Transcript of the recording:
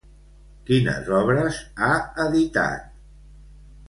Quines obres ha editat?